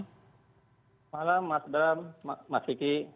selamat malam mas dam mas kiki